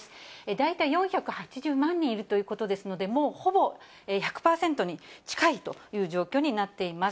大体４８０万人いるということですので、もうほぼ１００％に近いという状況になっています。